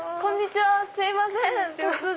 すいません突然。